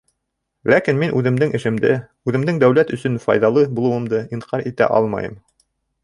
- Ләкин мин үҙемдең эшемде... үҙемдең дәүләт өсөн файҙалы булыуымды инҡар итә алмайым!